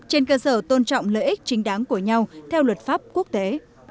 trên cơ sở tôn trọng lợi ích chính đáng của nhau theo luật pháp quốc tế